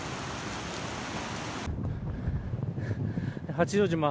八丈島